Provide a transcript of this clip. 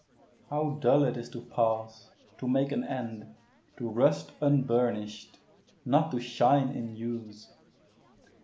How dull it is to pause, to make an end, To rust unburnish'd, not to shine in use!